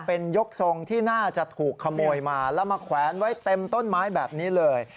เป็นยกทรงที่น่าจะถูกขโมยมาแล้วมาแขวนไว้เต็มต้นไม้แบบนี้เลย